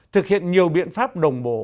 thực hiện nhiều biện pháp đồng bộ